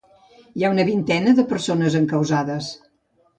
Hi ha una vintena de persones encausades.